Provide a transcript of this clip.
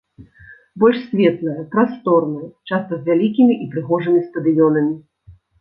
Больш светлыя, прасторныя, часта з вялікімі і прыгожымі стадыёнамі.